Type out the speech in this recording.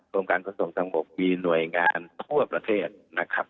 กรมการขนส่งทางบกมีหน่วยงานทั่วประเทศนะครับ